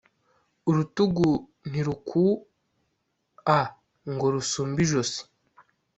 urutugu ntirukua ngo rusumbe ijosi